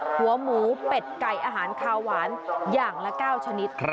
หัวหมูเป็ดไก่อาหารคาวหวานอย่างละ๙ชนิด